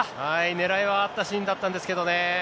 狙いはあったシーンだったんですけどね。